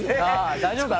大丈夫かな？